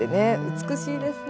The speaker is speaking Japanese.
美しいですね。